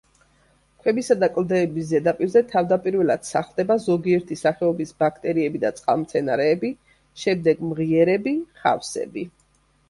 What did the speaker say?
ქვებისა და კლდეების ზედაპირზე თავდაპირველად სახლდება ზოგიერთი სახეობის ბაქტერიები და წყალმცენარეები, შემდეგ მღიერები, ხავსები.